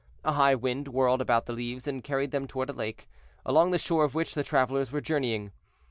A high wind whirled about the leaves and carried them toward a lake, along the shore of which the travelers were journeying.